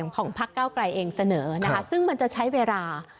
ของพักเก้าไกรเองเสนอนะคะซึ่งมันจะใช้เวลา